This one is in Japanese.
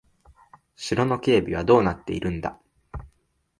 城の警備はどうなっているんだ。